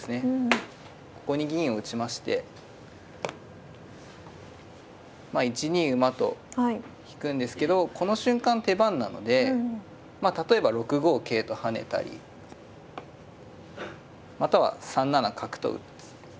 ここに銀を打ちまして１二馬と引くんですけどこの瞬間手番なので例えば６五桂と跳ねたりまたは３七角と打つ。